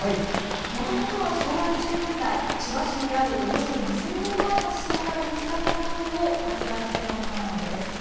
もともとは昭和２０年代千葉市にあるおよそ２０００年前の地層から見つかった種を発芽させたものなんです。